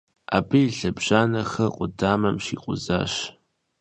Абы и лъэбжьанэхэр къудамэм хикъузащ.